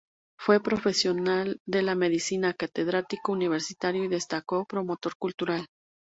Fue profesional de la medicina, catedrático universitario y destacado promotor cultural.